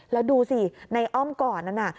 แล้วดูสิในอ้อมก่อนนั้นน่ะ